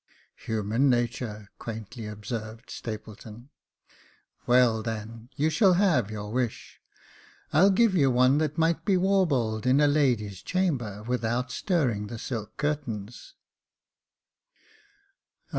" Human natur^'' quaintly observed Stapleton. "Well, then, you shall have your wish. I'll give you one that might be warbled in a lady's chamber, without stirring the silk curtains :—" O